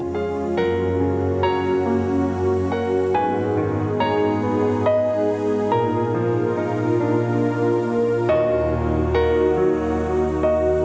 โปรดติดตามตอนต่อไป